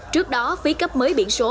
trước đó phí cấp mới biển số